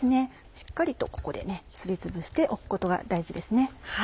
しっかりとここですりつぶしておくことが大事ですね。